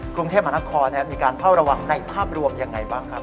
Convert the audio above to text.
กรุงเทพมหานครมีการเฝ้าระวังในภาพรวมยังไงบ้างครับ